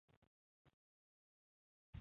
出身于宫城县仙台市。